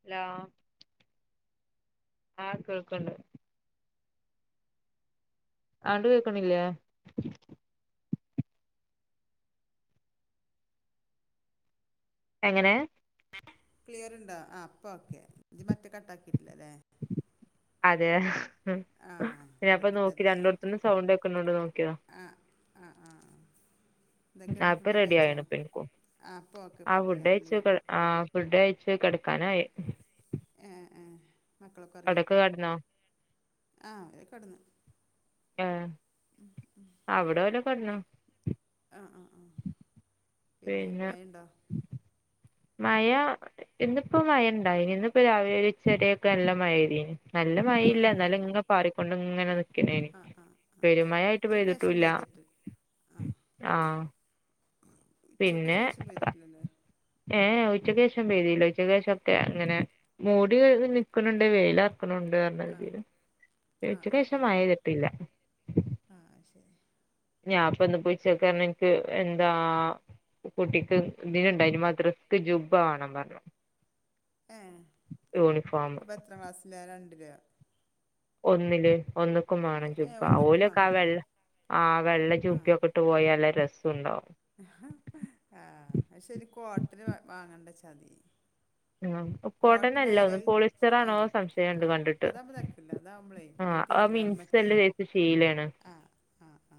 Hello ആഹ് കേൾക്ക്ണ്ട് ആണ്ട് കേക്കണില്ലേ എങ്ങനെ ക്ലിയർ ഉണ്ടോ ആ ഇപ്പൊ ഓക്കെ ഇജ് പറ്റേ കട്ട് ആക്കിട്ടില്ലല്ലേ അതെ ഉം ആ ഞാൻ ഇപ്പം വെറുതെ നോക്കി അല്ല രണ്ടോടത്തന്ന് സൗണ്ട് കോക്ക്ണ്ടോ നോക്കിയതാ ഇതൊക്കെ ഉണ്ട് [unintelligible] ഫുഡൊക്കെ റെഡി [unintelligible] കഴിച്ചോ ആ അപ്പോൾ ഓക്കെ ഇപ്പം ആഹ് ഫുഡ് ക്ലിയറിൽ കഴിച്ചു കേൾക്കും. ആഹ്‌ ഫുഡ്‌ കഴിച്ചു കെടാക്കനായി ഏ ഏ മക്കളൊക്കെ ഒറങ്ങിയപ്പോ കെടന്നോ ആഹ് അവര് കെടന്ന് ഉം അവട ഓല് കെടന്നോ ആഹ് ആഹ് ആഹ് പിന്നെ മയണ്ടോ? മഴ ഇന്നിപ്പോ മഴ ഇണ്ടായിനി ഇന്നിപ്പോ രാവിലെ ഒരു [unintelligible] നല്ല ആ മഴയില്ല ആ എന്നാലും ഇങ്ങ പാറിക്കൊണ്ട് ഇങ്ങനെ നി ക്കണേണി ആ ആ ആ പെരുമഴയായിട്ട് ഉച്ചയ്ക്ക് ശേഷം പെയ്യ്തിട്ടുല്ല പെയ്തിട്ട് ആ ആഹ് ഉച്ചയ്ക്ക് പിന്നെ ശേഷം പെയ്തിട്ടില്ലല്ലേ ഏഹ് ഉച്ചക്ക് ശേ ഷം പെയ്തില ഉച്ചക്ക് ശേഷം ഒക്കെ ഇങ്ങനെ മൂടി നിക്കണ് ണ്ട് വെയില ക്കണ് ണ്ട് ആ [unintelligible] ആ ആ ഉച്ചക്ക് ആ ശേഷം മഴ പെയ്തിട്ടില്ല. ആ ശരി ഞാപ്പോ ഇന്നിപ്പോ [unintelligible] എനിക്ക് എന്താ കുട്ടിക്ക് [unintelligible] മദ്രസക്ക് ജുബ വാണം പറഞ്ഞു. ഉം യൂണിഫോം അപ്പോ എത്ര ക്ലാസ്സിലാ രണ്ടിലാ ഒന്നില് ഒന്ന് ക്കും വേണം ഏ ജൂബ ഒന്നൊക്കെ ഓലൊക്കെ ആ വേണോ വെ ആ വെള്ള ആ ജുബക്കെ ഇട്ട് പോയലെ രസണ്ടാകു [inaudible] ഉം കോട്ടൺ കോട്ടന്നല്ല ആയാൽ ഒന്ന് അത് ആ പോളിസ്റ്ററാണോ സംശയണ്ട് ആ കണ്ടിട്ട് അതാകുമ്പോൾ തരക്കില്ല അതാകുമ്പോളേ നമ്മൾ ആഹ് ആ തിരുമ്പിയാൽ മറ്റേ മിൻസല്ല സൈസ്ശീലെയാണ് ആ ആ ആ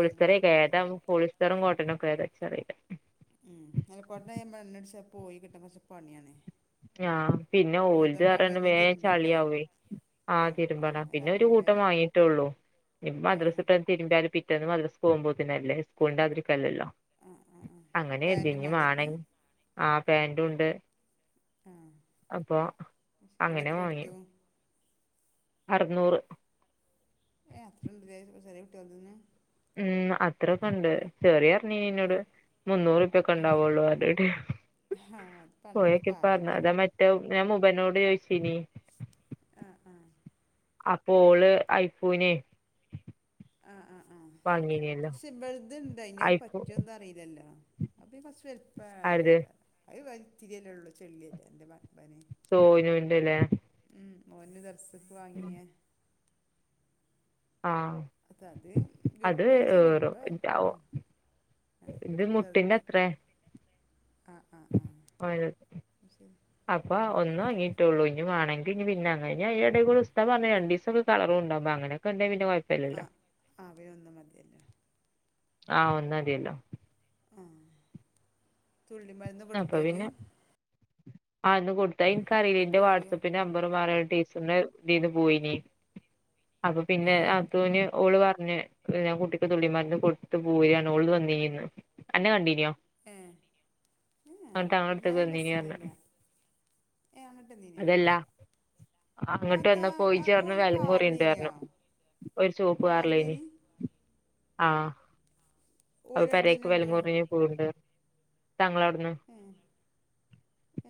രണ്ടും പാടെ ക്കെതാ കൂടിയതാവും പോളിസ്റുംങ്ങോട്ടനുംക്കെ ഏതാച്ചറീല ഉം മൽ കോട്ടനായ മണ്ണാടിച്ച പോയി കിട്ടാകൊറച്ച് പണിയണേ ആഹ പിന്നെ ഓലത്റിയവേ തിരുമ്പണ്ടേ ചളിയാ വെ ആ തിരുമ്പണ അതാണ് അല്ല പിന്നെ ഒരു വലിയ കൂട്ട ഇപ്പവാങ്ങീട്ടുള്ളൂ, ഏ മദ്രസ് ഇട്ടന്ന് തിരുമ്പാലും പിറ്റന്നന്ന് മദ്രസ് പോകുമ്പോത്തിനല്ലേ, സ്കൂളിന്റെ ആതിരി ല്ലല്ലോ. ആ ആ ആ അങ്ങനെ പാൻറ്റും എഴുതിഞ്ഞു വേണ്ടേ മാണെ ഇക്ക് ആ പാൻറ ഉണ്ട്. ആ അപ്പൊ, ഇവിടെ അങ്ങനെ എത്ര വാങ്ങി. കൊടുത്തു അറനൂറ്. ഏ്. അത്രണ്ട് ലെ ചെറിയ കുട്ടിയൽ ദേന്. ഉം. അത്രൊക്കെ ഉണ്ട് ചെറിയ [unintelligible] നിന്നോട് മുന്നൂറുപ്യൊക്കെ ആ ഉണ്ടാവുള്ളൂ ആ അത് പണ്ടത്തെ പോയക്കെപ്പ കാലമല്ല മറ്റേ ഞാൻ മുബനോട് ചോയിച്ചിനി. ആ ആ അപ്പോഓള്, ഐഫുനെ ആ ആ വാങ്ങി ക്ഷ, ഇവൾദെ ഇണ്ടായിനി അഹ് പറ്റന്താ അറീലല്ലോ, അഹ് കുറച്ച് വലുപ്പ ആരത് ഏറയ്ക്കാരം അഹ് [unintelligible] ചെള്ളിയല്ല എ്റെ [unintelligible] സോയിനന്റെല്ലേ. ഓന് ദർസ്ക്ക്‌വാങ്ങിയേ. ആഹ് അത അത് അത് ജുബ്ബച്ച ജുബ്ബ ഏറും ആ ഇത് മുട്ടിന്റെ ചെറുത് അത്ര. ആ ആ ആ [unintelligible] ശരി അപ്പൊ ഉം. ഒന്ന് ങ്ങീട്ട്ള്ളൂ. വേണെങ്കി പിന്നെ വാങ്ങ, യ്ന്റെ ടെക്കുടെ, ഉസ്താദ് പറഞ്ഞ രണ്ടക്കെകളറുഉണ്ടാമ്പേ അനൊക്കെണ്ട ഐന് ആ കുഴപ്പല്ലല്ലോ ആ അവനൊന്നും മതിയല്ലോ ആ ഒന്ന് മതിയല്ലോ. ആ തുള്ളി മരുന്ന് കെടുത്തേജ് ആ. ന്ന് കൊടുത്താ എനിക്കറിലയ്നി. ന്റെ പോളിയോ വാട്സആപ്പി നമ്പർ മാറിടീ ഇന്ന്. ഇതിന്പോയിനി, അപ്പൊ ആ പിന്നെ അത്തൂന് ഓള് നെ. ഞാൻ കുട്ടിക്ക് തുള്ളിമാരുന്ന് കൊടുത്തു പോരാണ്, ഓള്ന്ന് വന്നിന്ന് എന്നെ കണ്ടീനോ ഹെ അന്റെ [unintelligible] വന്നീനിറന്ന് ഏ, അങ്ങട്ട് വന്നീനോ അട്ട് വന്നാ പോയിച്ചന്ന് വലങ്ങ്റീണ്ട് റഞ്ഞു. കാറിലേനിയോ ഒരു ചുവപ്പ്കാറിലയ്നി കാറിലേനി ആ അ ഓലടുന്ന് പെരേക്ക് തന്നെ ഉണ്ടോ വെലങ്ങ്മുറിഞ്ഞ് പോവുണ്ട് തങ്ങളവിടു ഏ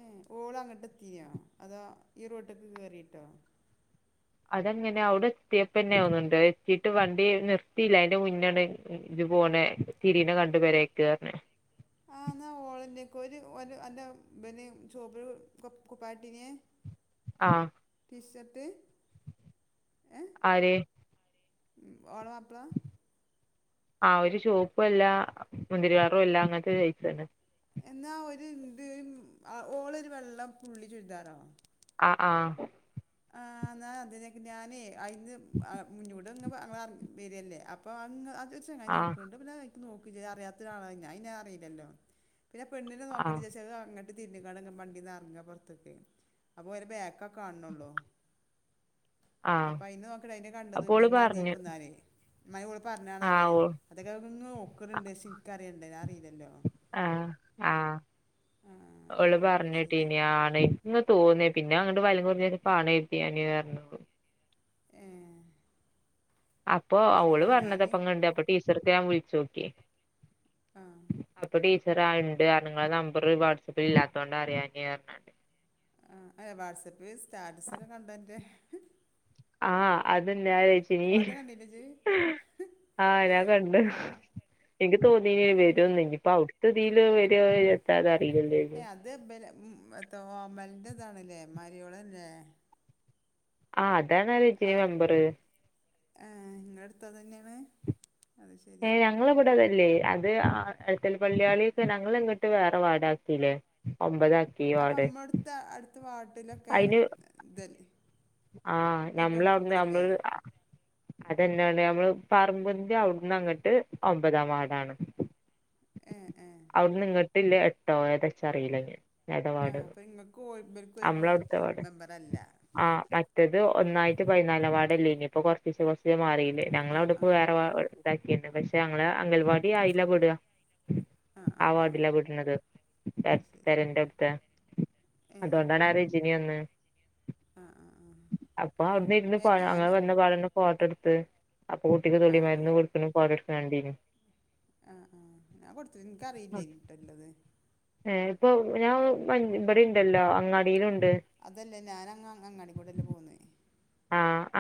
ഏ ഓളങ്ങട്ടെ ത്തിനോ അതോ ഈ റോട്ട്ക്ക് കേറിട്ടോ അതങ്ങനെ അവിടെ എത്തിയപ്പന്നൊവുന്നുണ്ട് എത്തീട്ട് വണ്ടി നിർത്തിയില്ല അതിന്റെ മുന്നെണ്ടെ പോണെ തിരീനെ കണ്ടു പെരേക്ക് ഓല് അല്ല ബന് ചോപ്പിന് കൊ കുകട്ടീനേ ആ വിശ്വത്ത് ആര് ഓളെ മാപ്പിള ആ ഒരു ചോപ്പും അല്ല മുന്തിരികളറും അല്ല അങ്ങനത്തെ ഒരു സൈസ് തന്നെ എന്നാ ഒരു ഇന്ത് ഓളൊരു വെള്ള പുള്ളി ചുരിതാറാണോ ആ ആ ആ എന്നാ അതിനേ ഞാനെ അതിന്ന് മുഞ്ഞ് കൊടു ടെന്ന് പ ങ്ങളറിഞ്ഞ് വര്വല്ലെ അപ്പോ അങ്ങ് അത് ചെങ്ങായി ആഹ് നോക്കണ്ട് പിന്നെ നോക്കി ചെയ്തു അറിയാത്ത ഒരാളായി ഞ്ഞെ ഞാ അറിയില്ലോ പിന്നെ പെണ്ണിനെ നോക്കടി ആഹ് [unintelligible] തിണ്ടിങ്ങാട വണ്ടീന്ന്റങ്ങാ പൊറത്തേക്ക് അപ്പൊ അവരെ ബാക്കെ കാണണുള്ളൂ ആഹ് അപ്പൊ അയിന് നോക്കടി അയിന്റെ അപ്പോള് കണ്ടതുല്ലന്ന് പറഞ്ഞു അതീക്കുന്നാനേ മ്മായി ഓള് പറഞ്ഞതാണ് ആഹ് അവേന്നെ ഓ അതൊക്കെ അവ ഇങ്ങ് നോക്കണ്‌ണ്ടേ ക്ഷെ നിക്ക് അറിയണ്ടേ നിക്ക് അറിയില്ലല്ലോ ആഹ് ആഹ് ആ ആ ഓള് അത് ശരി പറഞ്ഞെട്ടിനി ആണ് ഇങ്ങ തോന്നി പിന്നെ ങ്ങട്ട് [unintelligible] കൊറഞ്ഞ [unintelligible] പറഞ്ഞോള്ളൂ [inaudible] അപ്പൊ അത് ശരി അവള് ആ ഞാൻ പറഞ്ഞതപങ്ങണ്ട്, അപ്പൊ ടീച്ചർക്ക് ഞാൻ വിളിച്ചോക്കി ആ അപ്പ ടീച്ചർ താ ഇണ്ട് പറഞ്ഞ് ഇങ്ങളെ നമ്പറ് വാട്സപ്പിൽ ഇല്ലാത്തൊണ്ടാണറിയാഞ്ഞേ പറഞ്ഞാണ്ട് ഏഹ്, വാട്സപ്പില് സ്റ്റാറ്റസൊക്കെ കണ്ടോ എന്റെ ആഹ്, അതന്നെ ആരാചോയിചീനി കണ്ടില്ലേ ഇജ്ജ് [inaudible] ആഹ് ഞാൻ കണ്ട് ആഹ് എനിക്ക് തോന്നിനി ആഹ് വരുന്ന് ഇനിപ്പ അവു ത്ത്തീല് വരോ വരണ്ടാത ഏഹ്, അത് [unintelligible] മരിയോളല്ലേ ആഹ് അതാണ് ആ രജിനി മെമ്പറ്. ഏഹ് ഇങ്ങളെ അടുത്ത് അതന്നെയാണ് അത് ശരി ഏഹ് ഞങ്ങളവിടെ വെ രല്ലെ അത് അ എത്തൽ പള്ളിയാളി ത്തെ ഞങ്ങള് ഇങ്ങട്ട് വേറെ വാടക ത്തിയില്ലേ ഒമ്പതാ അപ്പൊ അമ്മളടുത്തെ അടുത്ത വാർഡിലൊക്കെ അയിന് ഇതല്ലേ ആഹ്, ഈ പെൺ ഞമ്മളവിടുന്ന് ഇബളല്ലേ ഞമ്മള് അതന്നലെ നമ്മള് പറമ്പിന്റെ അവിടുന്നങ്ങട്ട് ഒമ്പതാം വാർഡാണ്. ഏഹ് ഏഹ് അവിടുന്നിങ്ങട്ടില്ലേ എട്ടോ ഏതാച്ചറീല്ല ഇഞ്ഞ് ആഹ്, അപ്പൊ ഇങ്ങൾക്കും ഓൽ ഇബൽക്കും ഒരു നമ്മള അവിടുത്തെ വാർഡ് മെമ്പറല്ല ആ മറ്റത് ഒന്നായിട്ട് പതിനാലാം വാർഡല്ലേനോ, ഇപ്പോ കൊറച്ചിച്ചെ കുറച്ചിച്ചെ മാറില്ലേ, ഞങ്ങള ആഹ് അവിടെപ്പോ ആഹ് വേറെ ഇതാക്കിന്നണ്. പക്ഷെ ഞങ്ങളെ അംഗൽവാടി അയിലാ പെട ആഹ് ആ ആഹ് വാർഡില ആഹ് പെട്ണത്, പെ അത് ശരി പെരന്റവിട്ത്തെ ഏഹ് അതോണ്ടാണാ റജിനി അന്ന് ആഹ് ആഹ് ആഹ് അപ്പൊ അവിടുരുന്ന് ഏഹ് ഞങ്ങൾ ഞാന് വര്ണ പാടെന്ന് ഫോട്ടട്ത്ത്. അപ്പൊ കുട്ടിക്ക് ആഹ് തുള്ളിമരുന്ന് ആഹ് കൊട്ക്ക്ണ ഫോട്ടട്ക്ക്ണണ്ടിനി ആഹ് ആഹ്, ഞാൻ കൊടുത്തു. ഇന്ക്ക്‌ അറിയില്ലെനി ട്ടോ ഇല്ലത് ഏഹ്, ഇപ്പൊ ഞാൻ മ ഇബടിംണ്ടല്ലോ അങ്ങാടിലും അതല്ല, ഞാനങ്ങ് അങ്ങാടിക്കൂടെല്ലേ പൊന്നേ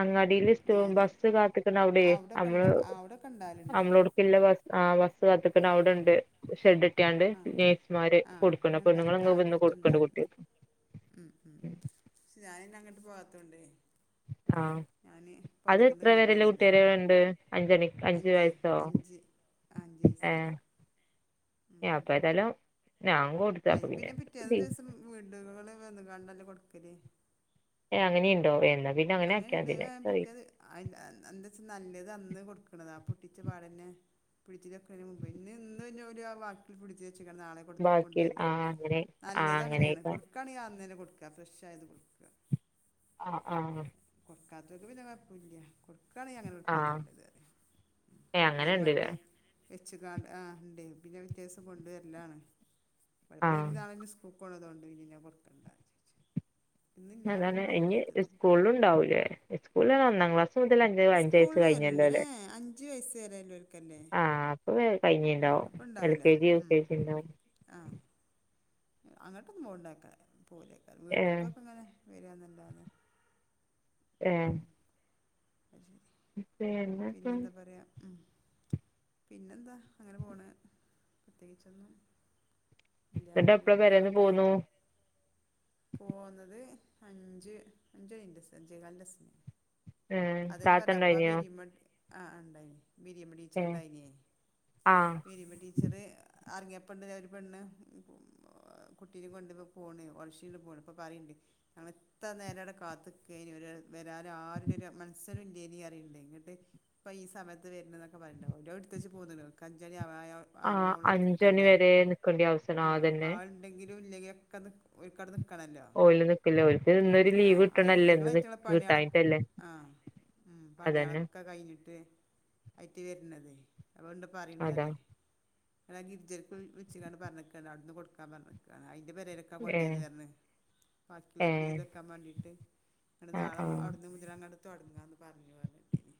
അങ്ങാടില് സ്റ്റോ ബസ്സ് കാത്ത്ക്ക്‌ണ അവിടെ, അവിടൊക്കെ ഇണ്ട നമ്മള് അവിടൊക്കെ ഇണ്ടാവലുണ്ട് നമ്മളോടുക്കില്ല ബസ് ആഹ് ബസ് കാത്ത്ക്ക്‌ണ ഉം അവിടെണ്ട് ഷെഡ് ടെട്ടാണ്ട് ആ നേഴ്സുമാര് ആ കൊടുക്ക്‌ണ്. അങ്ങണ്ട ആ പെണ്ണ്ങ്ങള്ങ്ങ് വന്ന് കൊടുക്ക്‌ണ്ട് എല്ലോടത്തുണ്ടാവലുണ്ട് കുട്ടിയെൾക്ക്‌ ഉം, ഉം ഞാനിന്നങ്ങട്ട് പോവാത്തോണ്ടേ ആഹ്, അത് പൊതുക്കന്ന് എത്ര വരെല്ലെ കയറണതല്ലേ കുത്തിവെപ്പ്‌ വരേണ്ട് അഞ്ചണി അഞ്ച്, അഞ്ച്, ആഹ് അഞ്ച്യ്സരെ ഏഹ് ഉം, ഉം അപ്പ ഏതായാലും ഞാൻ കൊടുത്ത അയ് അപ്പൊ പിന്നെ പിറ്റേ ദിവസം വീടുകളിൽ വന്ന്കാണ്ടല്ലേ കൊടുക്കല് അങ്ങനിംണ്ടോ എന്നി അങ്ങനെണ്ട് അത് കഴിഞ്ഞ പിറ്റെ [unintelligible] എന്താച്ചാ നല്ലത് അന്ന് കൊടുക്ക്‌ണതാ പൊട്ടിച്ച പാടന്നെ ഫ്രിഡ്ജി അത് പിന്നെ ഓല് ബാക്കി ഫ്രിഡ്ജി ൽ വെച്ച് നളെ ബാക്കി കൊണ്ടുര, ആഹ് അങ്ങനെ ആഹ് നല്ലതങ്ങനെയാണ് അങ്ങനെയ്ക്കാരം കൊടുക്കണേ അന്നന്നെ കൊ ക്ക, ഫ്രഷായത് കൊടുക്ക. ആഹ് ആഹ് ആഹ് കൊടുക്കാത്തോല് പിന്നെ കൊയപ്പുല്ല കൊടുക്കാണെ അങ്ങനെ കൊടുക്കാ ആഹ് നല്ലത് ഏഹ് പിറ്റേന്ന് അങ്ങനെണ്ട്ല്ലേ മരുന്ന് വെച്ച്കാണ്ട് ആഹ് ഇണ്ടെ, പിന്നെ പിറ്റേ ദിവസം കൊണ്ട വരല്ലാണ്. ഇവിടെ പിന്നെ ഓല് ആഹ് രാവിലെ തന്നെ സ്കൂ ൾക്കൊണതോണ്ടെയ് പിന്നെ കൊടുക്കണ്ട വിചാരിച്ച്. ഇന്നില്ല അതാണ് അറിയില്ല ഇനി സത്യത്തില് സ്കൂള്ലുണ്ടാവൂലേ, സ്കൂളില് ഒന്നാം ക്ലാസ് മുതൽ അഞ്ച അഞ്ചയസ് സ്കൂളില് വരലില്ലേ കഴിഞ്ഞല്ലല്ലേ, ഏ അഞ്ച് വയസ്സ് വരെ ഇല്ലോൽക്കല്ലേ ആഹ് അപ്പൊ ബെ ഉം കഴിഞ്ഞുണ്ടാവും അപ്പം എൽ ഉണ്ടാവില്ല കെ ജി യു ഉം കെ ജി ഉണ്ടാവും ആ അങ്ങോട്ടൊന്നും പോണ്ടക്കാ പോലക്കാ ഏഹ് വീട്ടക്കൊക്കെ അങ്ങനെ വരെന്നണ്ടാവന്ന് ആഹ അജ പിന്നെന്താ പറയാ ഉം പിന്നെന്താ അങ്ങനെ പോണ് പ്രത്യേകിച്ചൊന്നും ഇല്ല എന്നിട്ട് പിന്നെ എപ്പഴ വരന്ന് പോന്നു പോകുന്നത് അഞ്ച് അഞ്ച അതിറ അഞ്ച് കാലസിന ഉം താത്തണ്ടായിനോ ആ ഉണ്ടായി ബിരിയമ്മ ടീച്ചർണ്ടായിനേ ആഹ് ബിരിയമ്മ ടീച്ചറ് അറങ്ങിയ പെണ്ണി ഒരു പെണ്ണ് കുട്ടീെ കൊണ്ട ഇപ്പോൾ പോണ് ഓളഷീൽ പോണ് ഇപ്പോൾ കറുണ്ട് ഞങ്ങൾ എത്ര നേരം അവിടെ കാത്ത് കഴിഞ്ഞ വരാൻ ആരുടെ മ അച്ഛനി അയില്ലേ ഇിട്ട് ഇപ്പൊ ഈ സമയത്ത് വരുന്ന എന്നൊക്കെ പറണ്ട രോടുത്തച്ച് പോന്ന അഞ്ച ആഹ് ോോട് അഞ്ചണി നക്കണ്ടേ വരെ നിക്കേണ്ടി ആവശ്യണ് ആ ആഹ് അതന്നെ ആളണ്ടെങ്കിൽ ൊക്കെ കടന്ന് ഓല നിക്കലേ ഒഓലക്ക് ഇന്നരു ആ ലീവ് കിട്ടണല്ലേ ഐറ്റങ്ങൾ ഇന്ന് ഐറ്റങ്ങളെ കിട്ടാനട്ടല്ലേ ഉ പണികളൊക്കെ കഴിഞ്ഞിട്ട് ആയിട്ട് വരതേ അപ്പണ്ട്ാ അതാ പറയണരേ അല്ല ഗിരി്ജർക്ക് വെിട്ടാണ് പറഞ്ഞിക്കാണ് അവിടുന്ന് കൊടുക്കാൻഞ്ഞ എ പരടുക്കാ കൊണ്ടത് ഏഹ് കാരന്ന് ബാക്കിയുള്ളത് ഫ്രിഡ്ജ ഏഹ് വക്കാൻ വേണ്ടിയിട്ട് ഇങ്ങ ആഹ് നാളെ ആഹ് അവിടുന്ന് മുജരാ അങ്ങത്ത് ന്ന് പറഞ്ഞഞ് പറഞ്ഞിട്ടേനി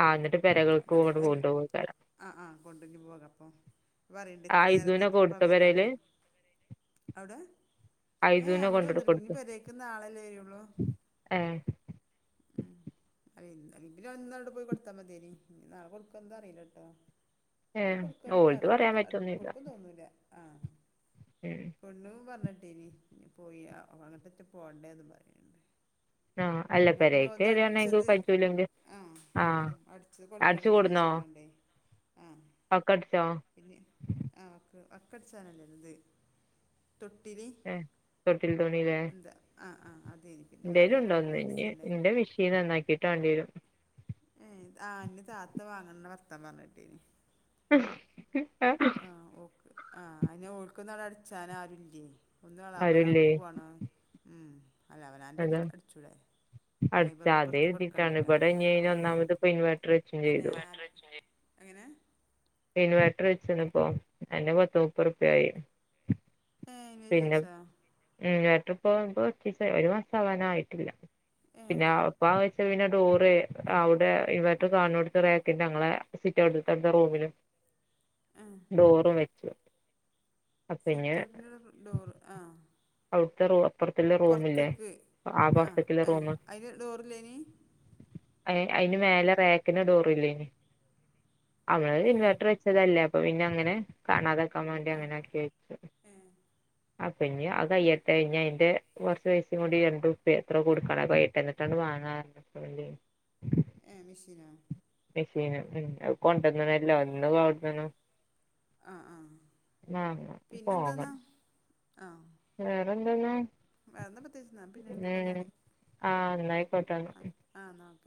ആ എന്നിട്ട് പിരകൾക്ക്ും അ് കൊണ്ടു പോോയിക്കടാം കൊണ്ടി പോകാം അപ്പൊ പറയണ്ട ഇത്ര നേരം ഐസൂനെ എന്നിട്ട് ഇ പ്ര കൊടുത്തോ വര്യാണ് പെരേല് അവിടെ ഏ യദനോ അങ്ങോട്ട് കൊണ്ടടു വന്നിട്ടില്ല ഇനി കൊടുത്തു പെരേക്ക് നാളല്ലേ വരുള്ളൂ ഏ അ ഇന്നടെ പോയി കൊടുത്താൽ മതിേരി ഇ നാളെ കൊടുക്ക എന്താ അറിയില്ല കേട്ടോ ഏ ഓലത് പറയാൻ പറ്റൊന്നുമില്ല പൊണ്ണു പറഞ്ഞട്ട [inaudible] ആഹ് അല്ല പെരേ കേറി വന്നാൽ ഇനി പറ്റൂലെങ്കിൽ ഉം അടിച്ചത് [inaudible] കൊടുന്നോ ഉദ്ദേശിക്കണ്ടേ ആഹ് ഒക്കെ അടിച്ചോ പിന്നെ ആഹ് ഓക്കെ [inaudible] ഏയ് തോട്ടിൽ തോണില്ലേ എന്താ ആഹ് ആഹ് അതെ എന്റെലും ഉണ്ടോന്നു ഇനി എന്റെ മെഷീൻ നന്നാക്കിട്ട് വേണ്ടി വരും ഏയ് ആഹ് അന്റെ താത്ത വാങ്ങണ [unintelligible] പറഞ്ഞിട്ടീനി ആ [inaudible] ആഹ് ഓ ആഹ് [inaudible] അടച്ചാന് ആരുല്ലേ [inaudible] ആരുല്ലേ അല്ല അവനന്റെ അടി അടിച്ചൂടെ അയ്മ്പത് അടച്ച് ഉറുപ്യ അതെ പുറത്ത് എഴുതിയിട്ടാണ് കൊടുക്കണ്ടല്ലോ ഇവിടെ ഇനി ആ [unintelligible] ഉം. ഒന്നാമത് ഇപ്പം ഇൻവേർട്ടർ വെയ്ക്കുവേം അന്നെ ചെയ്തു ആ- എങ്ങനെ ഇൻവേർട്ടർ വെച്ചന്നിപ്പോ അതിന് പത്ത് മുപ്പത് റുപ്പിയ ആയി ഏ ഇനി പിന്നെ വെച്ചാ ഉം എന്നിട്ടിപ്പോ [unintelligible] ഒരു മാസം ആവാൻ ആയിട്ടില്ല ഏ പിന്നെ അപ്പാ വെച്ച് പിന്നെ ഡോറ് അവിടെ ഇൻവർട്ടർ കാണുന്നോടുത്ത് റാക്കിന്റെ [unintelligible] സിറ്റ് അവിടുത്തെ റൂമിലും [inaudible] ഡോറും വെച്ചു അ പിന്നെ സിറ്റൗട്ടിൻ്റെ ഡോറ് ആഹ് ഉ [unintelligible] പൊറത്ത്ക്ക് ആഹ് പുറത്തേക്കുള്ള ആഹ് റൂമ് അതിന് ഡോറില്ലേനി അതിന് മേലെ റേക്കിന് ഡോറില്ലേനി അവര് ഏ ഇൻവേർട്ടർ വെച്ചതല്ലേ അപ്പൊ പിന്നെ അങ്ങനെ കാണാതാക്കാൻ വേണ്ടി അങ്ങനെ ആക്കി വെച്ചു അപ്പൊ ഇനി അ കഴിയട്ടെ ഇനി അതിന്റെ കൊറച്ചു പൈസയും കൂടി രണ്ടു റുപ്പിയ എത്രോ കൊടുക്കാണ് [unintelligible] എന്നിട്ടാണ് വാങ്ങാന് അല്ലെ ഏ മെഷീനോ മെഷീന് ഉം അ കൊണ്ടുവന്ന ആ ആ [unintelligible] ആഹ് പോക പിന്നെന്താന്നാ വേറെന്തന്നാ വേറൊന്നും പ്രത്യേകിച്ച് എന്നാ പിന്നെ വെക്കാന്നാല് ആ എന്നായിക്കോട്ടെ ഉം ആന്നോ